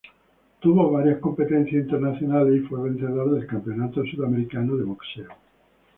Tuvo varias competencias internacionales y fue vencedor del Campeonato Sudamericano de Boxeo.